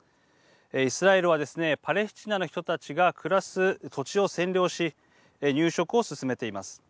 イスラエルはですねパレスチナの人たちが暮らす土地を占領し入植を進めています。